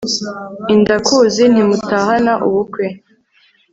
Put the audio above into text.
indakuzi ntimutahana ubukwe